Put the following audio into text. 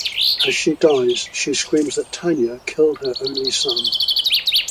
As she dies, she screams that Tanya "killed her only son".